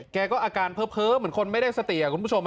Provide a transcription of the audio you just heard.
แกก็อาการเพอเหมือนคนไม่ได้สติ